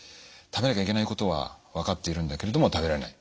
食べなきゃいけないことは分かっているんだけれども食べられない。